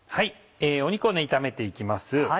肉を炒めて行きます。